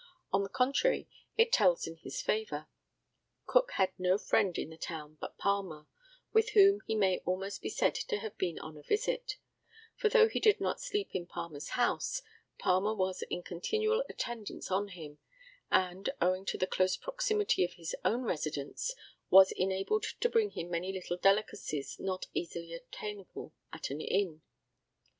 On the contrary, it tells in his favour. Cook had no friend in the town but Palmer, with whom he may almost be said to have been on a visit; for though he did not sleep in Palmer's house Palmer was in continual attendance on him, and, owing to the close proximity of his own residence, was enabled to bring him many little delicacies not easily attainable at an inn.